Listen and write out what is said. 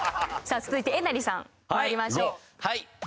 続いてえなりさんまいりましょう。